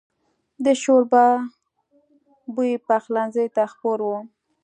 د شوربه بوی پخلنځي ته خپور و.